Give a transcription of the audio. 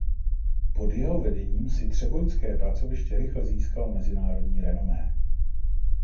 Pod jeho vedením si třeboňské pracoviště rychle získalo mezinárodní renomé.